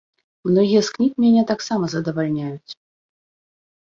Многія з кніг мяне таксама задавальняюць.